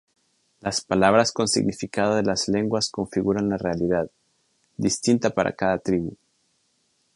Las palabras con significado de las lenguas configuran la Realidad, distinta para cada tribu.